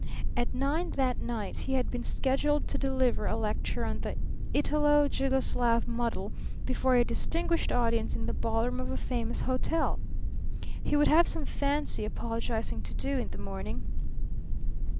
At nine that night he had been scheduled to deliver a lecture on the Italo Jugoslav muddle before a distinguished audience in the ballroom of a famous hotel! He would have some fancy apologizing to do in the morning.